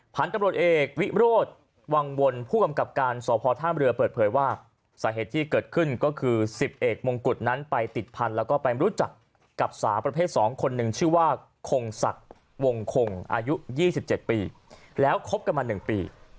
พันธุ์ตำรวจเอกวิโรธวังวลผู้กำกับการสพท่ามเรือเปิดเผยว่าสาเหตุที่เกิดขึ้นก็คือ๑๐เอกมงกุฎนั้นไปติดพันธุ์แล้วก็ไปรู้จักกับสาวประเภท๒คนหนึ่งชื่อว่าคงศักดิ์วงคงอายุ๒๗ปีแล้วคบกันมา๑ปี